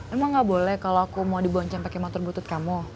emang gak boleh kalau aku mau dibonceng pakai motor butut kamu